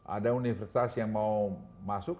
ada universitas yang mau masuk